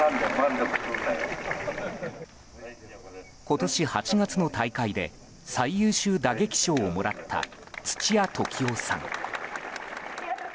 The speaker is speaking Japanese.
今年８月の大会で最優秀打撃賞をもらった土屋斗希桜さん。